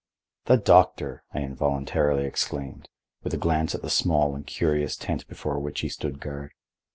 "The doctor!" I involuntarily exclaimed, with a glance at the small and curious tent before which he stood guard.